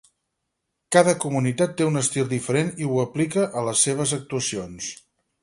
Cada comunitat té un estil diferent i ho aplica a les seves actuacions.